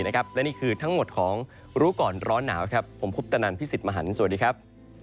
และนี่คือทั้งหมดของรู้ก่อนร้อนหนาวครับผมคุปตนันพี่สิทธิ์มหันฯสวัสดีครับ